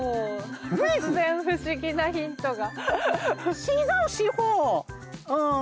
突然不思議なヒントが。